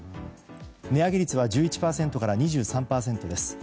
値上げ率は１１％から２３％です。